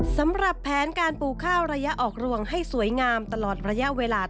สำหรับแผนการปลูกข้าวระยะออกรวงให้สวยงามตลอดระยะเวลา